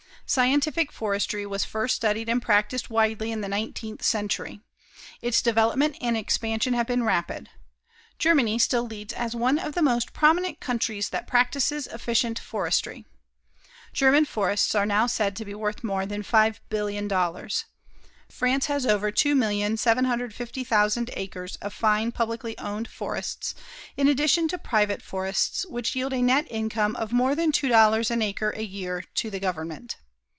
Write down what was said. Scientific forestry was first studied and practised widely in the nineteenth century. Its development and expansion have been rapid. Germany still leads as one of the most prominent countries that practices efficient forestry. German forests are now said to be worth more than $5,000,000,000. France has over 2,750,000 acres of fine publicly owned forests, in addition to private forests, which yield a net income of more than $2 an acre a year to the government.